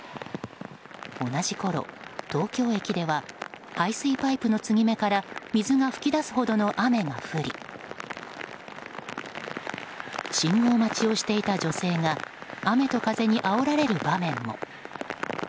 同じころ、東京駅では排水パイプの継ぎ目から水が噴き出すほどの雨が降り信号待ちをしていた女性が雨と風にあおられる場面も。